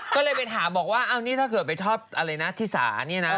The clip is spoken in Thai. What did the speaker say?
ก็เลยไปถามบอกว่าเอานี่ถ้าเกิดไปทอดอะไรนะที่สานี่นะ